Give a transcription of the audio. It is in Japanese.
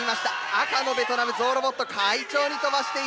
赤のベトナムゾウロボット快調に飛ばしている。